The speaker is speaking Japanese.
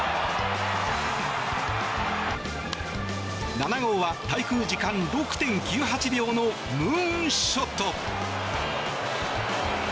７号は滞空時間６．９８秒のムーンショット。